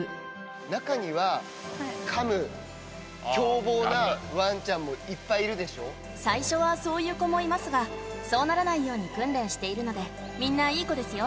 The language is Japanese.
中にはかむ、狂暴なわんちゃ最初はそういう子もいますが、そうならないように訓練しているので、みんないい子ですよ。